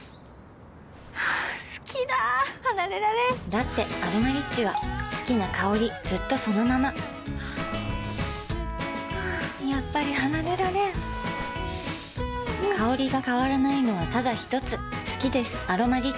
好きだ離れられんだって「アロマリッチ」は好きな香りずっとそのままやっぱり離れられん香りが変わらないのはただひとつ好きです「アロマリッチ」